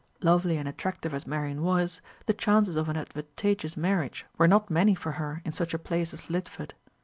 Lovely and attractive as Marian was, the chances of an advantageous marriage were not many for her in such a place as Lidford.